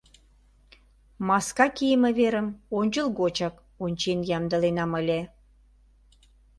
Маска кийыме верым ончылгочак ончен ямдыленам ыле...